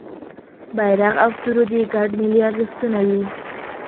بېرغ او سرود یې ګډ ملي ارزښتونه وي.